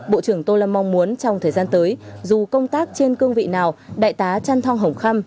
bộ trưởng tô lâm mong muốn trong thời gian tới dù công tác trên cương vị nào đại tá trần thong hồng khâm